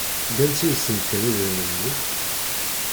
Seg ansi i sent-d-kan idrimen-nni?